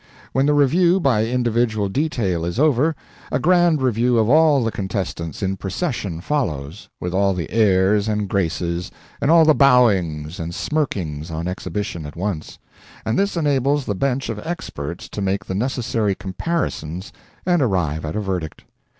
When the review by individual detail is over, a grand review of all the contestants in procession follows, with all the airs and graces and all the bowings and smirkings on exhibition at once, and this enables the bench of experts to make the necessary comparisons and arrive at a verdict.